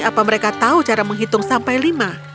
apa mereka tahu cara menghitung sampai lima